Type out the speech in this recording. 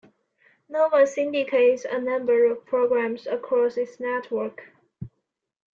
Nova syndicates a number of programmes across its network.